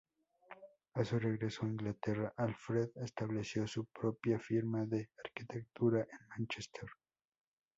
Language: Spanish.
A su regreso a Inglaterra, Alfred estableció su propia firma de arquitectura en Mánchester.